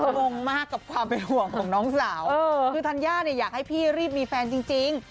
งงมากกับความเป็นห่วงของน้องสาวคือธัญญาเนี่ยอยากให้พี่รีบมีแฟนจริง